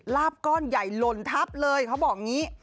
ลาบก้อนใหญ่หล่นทับเลยเขาบอกอย่างนี้